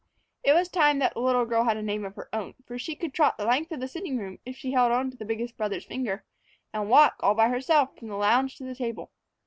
It was time that the little girl had a name of her own, for she could trot the length of the sitting room, if she held on to the biggest brother's finger, and walk, all by herself, from the lounge to the table.